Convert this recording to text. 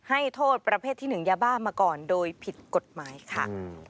ให้โทษประเภทที่๑ยาบ้ามาก่อนโดยผิดกฎหมายค่ะ